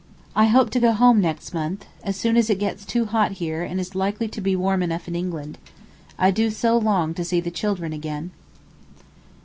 I hope to go home next month, as soon as it gets too hot here and is likely to be warm enough in England. I do so long to see the children again.